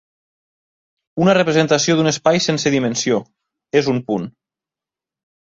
Una representació d'un espai sense dimensió, és un punt.